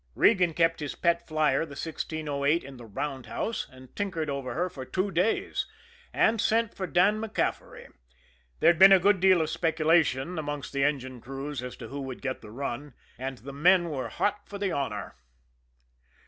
Regan kept his pet flyer, the 1608, in the roundhouse, and tinkered over her for two days, and sent for Dan MacCaffery there'd been a good deal of speculation amongst the engine crews as to who would get the run, and the men were hot for the honor.